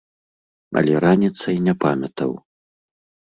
Але раніцай не памятаў.